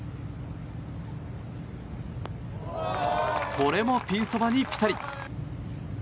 これもピンそばにピタリ。